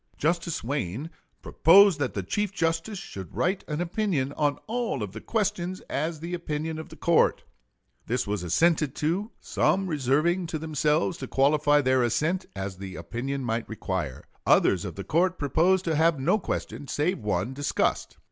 Justice Wayne "proposed that the Chief Justice should write an opinion on all of the questions as the opinion of the court. This was assented to, some reserving to themselves to qualify their assent as the opinion might require. Others of the court proposed to have no question, save one, discussed."